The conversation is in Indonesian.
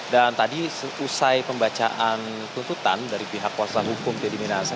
dan tadi selesai pembacaan tuntutan dari pihak kuasa hukum teddy minahasa